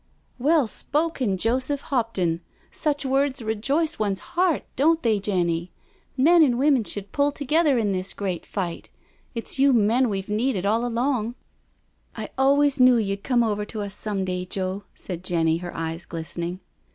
*''* Well spoken, Joseph Hopton — ^such words rejoice one's heart, don't they, Jenny? Men and women should pull together in this great fight — ^it's you men we've needed all along •*" I always knew you'd come over to us some day, Joe, said Jenny, her eyes glistening.